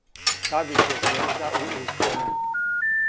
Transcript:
Тадић је звезда у успону.